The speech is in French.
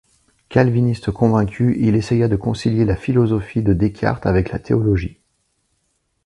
Calviniste convaincu, il essaya de concilier la philosophie de Descartes avec la théologie.